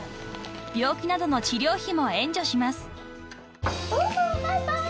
［病気などの治療費も援助します］